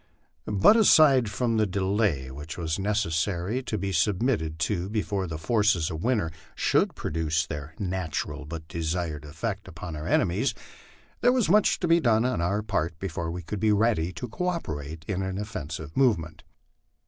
But aside from the delay which was necessary to be submitted to before the forces of winter should produce their natural but desired effect upon our enemies, there was much to be done on our part before we could be ready to cooperate in an offensive movement.